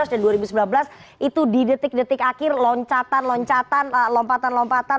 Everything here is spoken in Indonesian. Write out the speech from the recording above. dan dua ribu sembilan belas itu di detik detik akhir loncatan loncatan lompatan lompatan